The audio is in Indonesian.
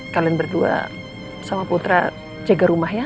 kalian berdua sama putra jaga rumah ya